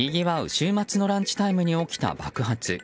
週末のランチタイムに起きた爆発。